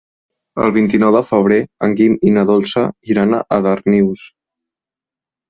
El vint-i-nou de febrer en Guim i na Dolça iran a Darnius.